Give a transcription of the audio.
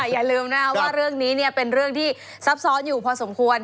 อย่าลืมนะว่าเรื่องนี้เป็นเรื่องที่ซับซ้อนอยู่พอสมควร